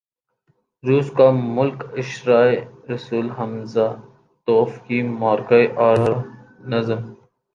روس کے ملک اشعراء رسول ہمزہ توف کی مارکہ آرا نظم